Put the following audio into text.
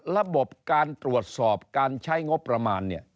ระบบการตรวจสอบการใช้งบประมาณเนี่ย